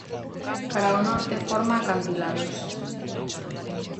Cara ao norte forma acantilados.